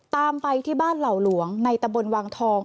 ตามไปที่บ้านเหล่าหลวงในตะบนวังทอง